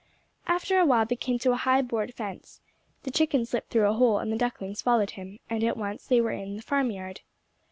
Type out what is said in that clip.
After a while they came to a high board fence. The chicken slipped through a hole, and the ducklings followed him, and at once they were in the farmyard.